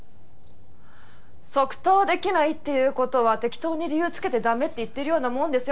即答できないっていう事は適当に理由つけて駄目って言ってるようなもんですよ。